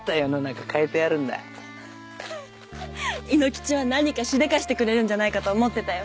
亥ノ吉は何かしでかしてくれるんじゃないかと思ってたよ